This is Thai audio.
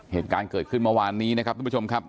เหตุการณ์เกิดขึ้นเมื่อวานนี้นะครับทุกผู้ชมครับ